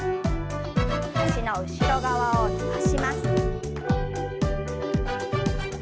脚の後ろ側を伸ばします。